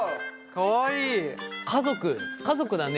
かわいい。